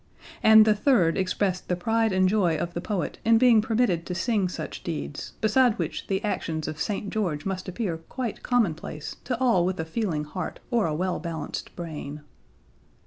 And the third expressed the pride and joy of the poet in being permitted to sing such deeds, beside which the actions of St. George must appear quite commonplace to all with a feeling heart or a well balanced brain.